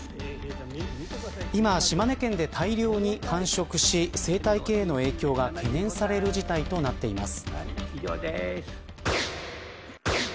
今、島根県で大量に繁殖し生態系への影響が懸念される事態となっています。